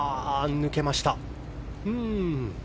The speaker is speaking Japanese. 抜けました。